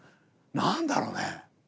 何だろうね。